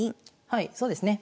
はいそうですね。